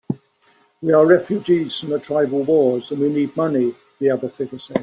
"We're refugees from the tribal wars, and we need money," the other figure said.